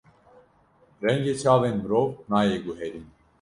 Rengê çavên mirov nayê guherîn.